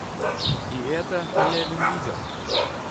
И это Левин видел.